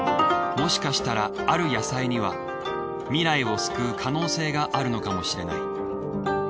もしかしたらある野菜には未来を救う可能性があるのかもしれない。